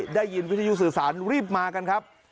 ได้ยินวิทยุสื่อสารรีบมากันครับ